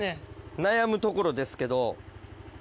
悩むところですけど。